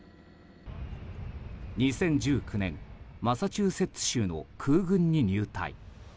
２０１９年マサチューセッツ州の空軍に入隊。